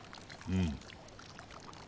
うん。